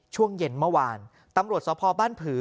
ช่วงเย็นเมื่อวานตำรวจสพบ้านผือ